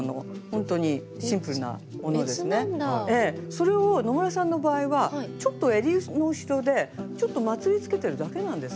それを野村さんの場合はちょっとえりの後ろでちょっとまつりつけてるだけなんです。